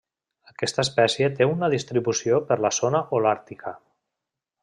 Aquesta espècie té una distribució per la zona holàrtica.